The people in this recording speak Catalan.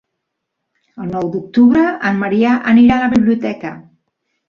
El nou d'octubre en Maria anirà a la biblioteca.